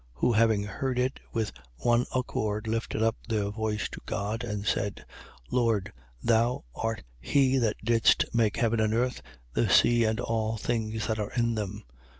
4:24. Who having heard it, with one accord lifted up their voice to God and said: Lord, thou art he that didst make heaven and earth, the sea and all things that are in them.